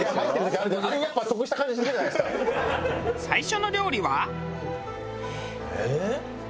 最初の料理は。